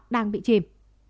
đang bị chìm